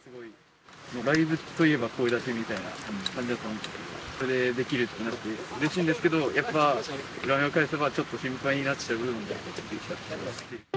ライブといえば声出しみたいな感じだったので、それ、できるってなるのはうれしいんですけど、やっぱ裏を返せば、ちょっと心配になってきた部分も出てきた。